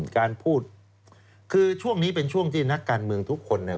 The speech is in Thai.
การพูดคือช่วงนี้เป็นช่วงที่นักการเมืองทุกคนเนี่ย